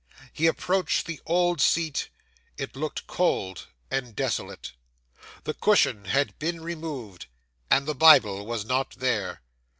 He approached the old seat; it looked cold and desolate. The cushion had been removed, and the Bible was not there.